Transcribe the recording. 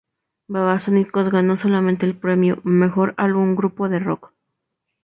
Babasónicos ganó solamente el premio "Mejor Álbum Grupo de Rock".